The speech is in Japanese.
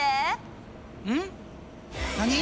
何？